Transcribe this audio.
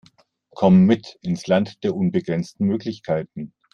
Kommt mit ins Land der unbegrenzten Möglichkeiten!